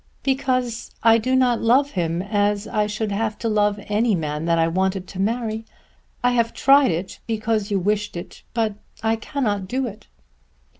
"Because I do not love him as I should have to love any man that I wanted to marry. I have tried it, because you wished it, but I cannot do it."